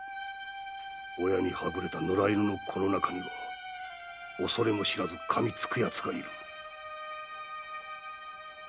親にはぐれた野良犬の子の中には恐れも知らず噛みつくヤツがいる。